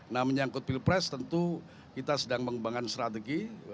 nah menyangkut pilpres tentu kita sedang mengembangkan strategi